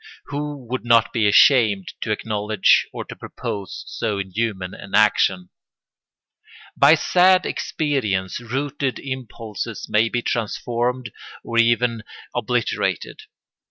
Who would not be ashamed to acknowledge or to propose so inhuman an action? By sad experience rooted impulses may be transformed or even obliterated.